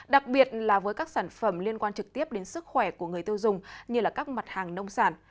đặc biệt là với các sản phẩm liên quan trực tiếp đến sức khỏe của người tiêu dùng như các mặt hàng nông sản